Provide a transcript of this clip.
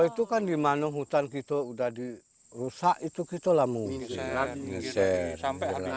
itu kan dimana hutan kita udah dirusak itu kita lah mengusir